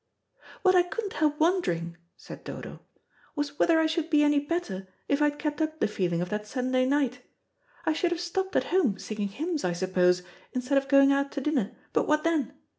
"What I couldn't help wondering," said Dodo, "was whether I should be any better if I had kept up the feeling of that Sunday night. I should have stopped at home singing hymns, I suppose, instead of going out to dinner; but what then?